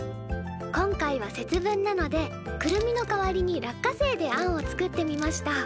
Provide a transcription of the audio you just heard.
今回は節分なのでくるみの代わりに落花生であんを作ってみました。